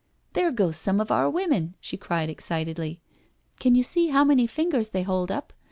" There goes some of our women," she cried excitedly. " Can you see how many fingers they hold up?